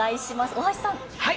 大橋さん。